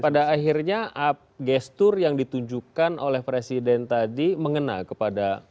pada akhirnya gestur yang ditunjukkan oleh presiden tadi mengena kepada